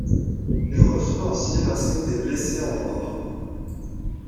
Il reçoit ainsi l'insigne des blessés en noir.